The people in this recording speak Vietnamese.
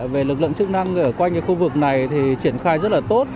về lực lượng chức năng ở quanh khu vực này thì triển khai rất là tốt